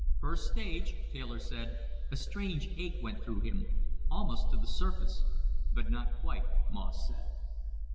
"First stage," Taylor said. A strange ache went through him. "Almost to the surface." "But not quite," Moss said.